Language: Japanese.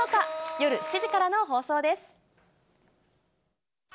夜７時からの放送です。